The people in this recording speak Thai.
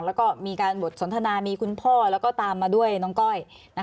แล้วก็มีการบทสนทนามีคุณพ่อแล้วก็ตามมาด้วยน้องก้อย